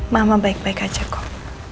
mama baik baik aja kok